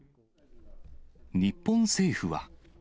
日本政府は。